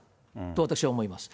と、私は思います。